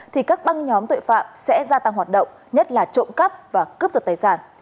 thì các băng nhóm tội phạm sẽ gia tăng hoạt động nhất là trộm cắp và cướp giật tài sản